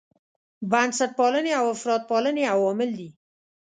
بنسټپالنې او افراطپالنې عوامل دي.